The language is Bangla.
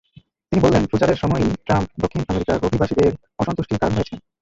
তিনি বললেন, প্রচারের সময়ই ট্রাম্প দক্ষিণ আমেরিকার অভিবাসীদের অসন্তুষ্টির কারণ হয়েছেন।